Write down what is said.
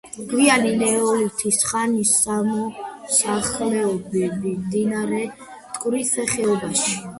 გვიანი ნეოლითის ხანის სამოსახლოები მდინარე მტკვრის ხეობაში